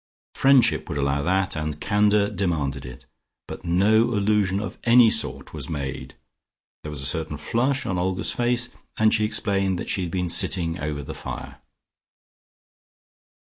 Friendship would allow that, and candour demanded it. But no allusion of any sort was made. There was a certain flush on Olga's face, and she explained that she had been sitting over the fire.